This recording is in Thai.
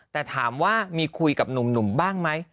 แต่ถามว่ามีคุยกับหนุ่มบ้างไหม